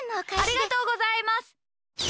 ありがとうございます！